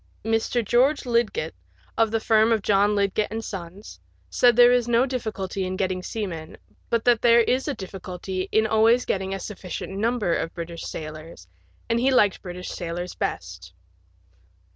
Mr. George Lidgett, of the firm of John Lidgett and Sons, said there is no difficulty in getting seamen, but that there is a difficulty in always getting a sufficient number of British sailors, and he liked British sailors best.